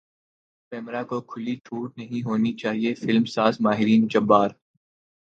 پیمرا کو کھلی چھوٹ نہیں ہونی چاہیے فلم ساز مہرین جبار